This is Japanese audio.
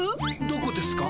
どこですか？